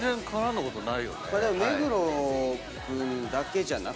でも目黒君だけじゃなくて。